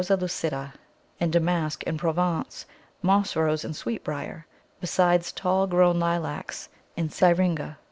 lucida_, and Damask and Provence, Moss rose and Sweetbriar, besides tall grown Lilacs and Syringa.